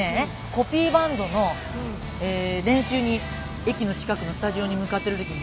コピーバンドの練習に駅の近くのスタジオに向かってるときにね